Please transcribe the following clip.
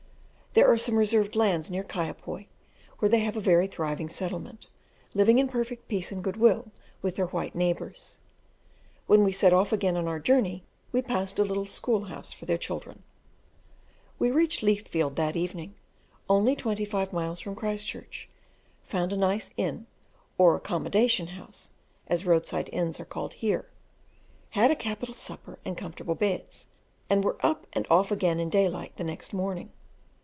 There are some reserved lands near Kaiapoi where they have a very thriving settlement, living in perfect peace and good will with their white neighbours. When we set off again on our journey, we passed a little school house for their children. We reached Leathfield that evening, only twenty five miles from Christchurch; found a nice inn, or accommodation house, as roadside inns are called here; had a capital supper and comfortable beds, and were up and off again at daylight the next morning.